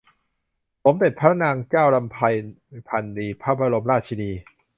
สมเด็จพระนางเจ้ารำไพพรรณีพระบรมราชินี